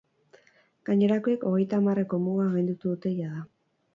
Gainerakoek hogeita hamarreko muga gainditu dute jada.